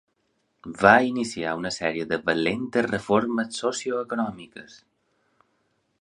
Va iniciar una sèrie de valentes reformes socioeconòmiques.